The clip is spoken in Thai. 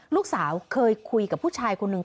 ลูกสาวเคยคุยกับผู้ชายคนหนึ่ง